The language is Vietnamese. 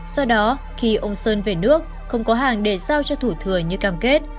do đó khi ông sơn về nước không có hàng để giao cho thủ thừa như cam kết